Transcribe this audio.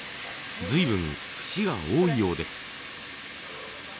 随分節が多いようです。